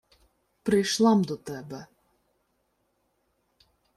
— Прийшла-м до тебе...